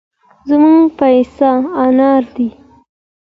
زموږ پيسه انار دي.